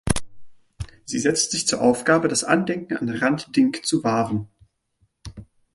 Sie setzt sich zur Aufgabe, das Andenken an Hrant Dink zu wahren.